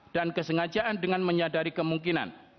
dan kesengajaan dengan menyadari kemungkinan